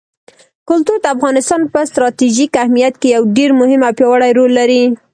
کلتور د افغانستان په ستراتیژیک اهمیت کې یو ډېر مهم او پیاوړی رول لري.